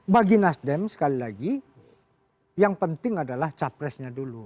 bagi nasdem sekali lagi yang penting adalah capresnya dulu